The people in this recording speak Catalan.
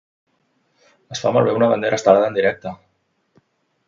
Es fa malbé una bandera estelada en directe